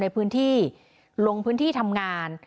ในพื้นที่ลงพื้นที่ทำงาน